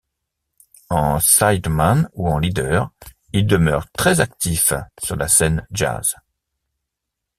En sideman ou en leader, il demeure très actif sur la scène jazz.